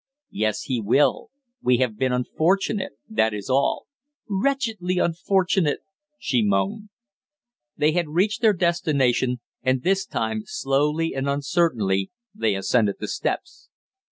"Yes, he will. We have been unfortunate, that is all." "Wretchedly unfortunate!" she moaned. They had reached their destination, and this time slowly and uncertainly they ascended the steps.